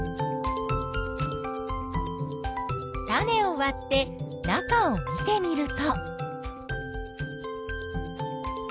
種をわって中を見てみると。